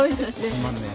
つまんねえ。